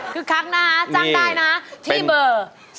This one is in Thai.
คือคักนะฮะจ้างได้นะที่เบอร์